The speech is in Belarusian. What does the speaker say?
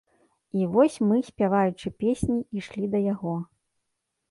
І вось мы, спяваючы песні, ішлі да яго.